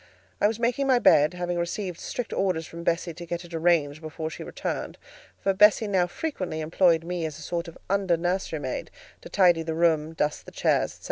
I was making my bed, having received strict orders from Bessie to get it arranged before she returned (for Bessie now frequently employed me as a sort of under nurserymaid, to tidy the room, dust the chairs, &c.).